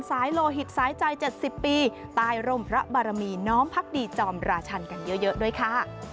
โลหิตสายใจ๗๐ปีใต้ร่มพระบารมีน้อมพักดีจอมราชันกันเยอะด้วยค่ะ